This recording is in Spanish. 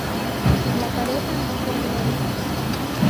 La pareja no tenía hijos.